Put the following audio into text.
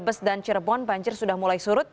brebes dan cirebon banjir sudah mulai surut